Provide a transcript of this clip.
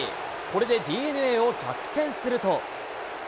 これでＤｅＮＡを逆転すると。